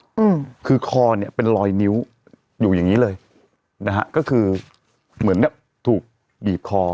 อืมคือคอเนี้ยเป็นรอยนิ้วอยู่อย่างงี้เลยนะฮะก็คือเหมือนแบบถูกบีบคอ